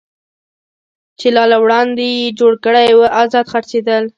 چې لا له وړاندې یې جوړ کړی و، ازاد څرخېدل.